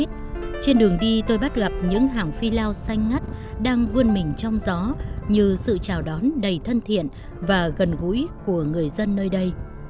trên đường đi tôi bắt gặp những hàng phi lao xanh ngắt đang vươn mình trong gió như sự chào đón đầy thân thiện và gần gũi của người dân nơi đây